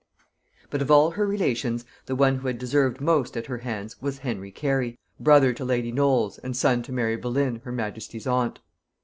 But of all her relations, the one who had deserved most at her hands was Henry Carey, brother to lady Knolles, and son to Mary Boleyn, her majesty's aunt.